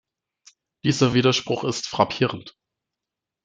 Dieser Widerspruch ist frappierend.